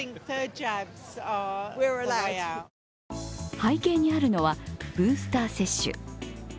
背景にあるのはブースター接種。